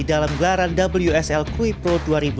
dalam gelaran wsl krui pro dua ribu dua puluh